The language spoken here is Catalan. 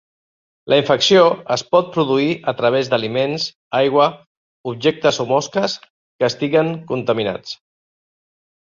La infecció es pot produir a través d'aliments, aigua, objectes o mosques que estiguen contaminats.